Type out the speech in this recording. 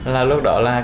là lúc đó là